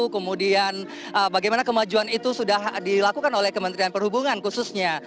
kemudian bagaimana kemajuan itu sudah dilakukan oleh kementerian perhubungan khususnya